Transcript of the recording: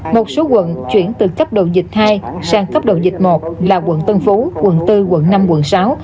một số quận chuyển từ cấp độ dịch hai sang cấp độ dịch một là quận tân phú quận bốn quận năm quận sáu